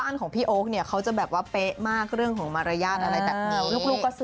ต้องทำแบบนั้นแบบนี้